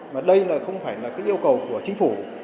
mà đây không phải là yêu cầu của chính phủ